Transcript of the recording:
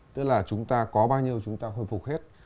tức là chúng ta có bao nhiêu chúng ta hồi phục hết